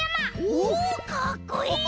おおかっこいい！